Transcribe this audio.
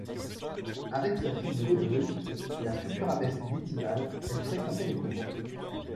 Avec sa fille Godeheult, la future abbesse d'Étival, elle fréquentait les couvents.